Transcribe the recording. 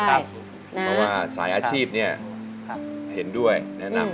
เพราะว่าสายอาชีพเห็นด้วยแนะนำ